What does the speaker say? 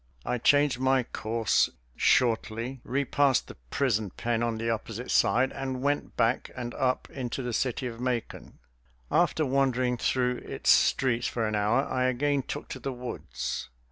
I changed my course, shortly repassed the prison pen on the opposite side, and went back and up into the city of Macon. After wandering through its streets for an hour I again took to the woods.